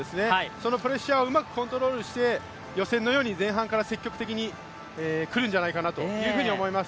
そのプレッシャーをうまくコントロールして予選のように前半から積極的にくるんじゃないかなと思います。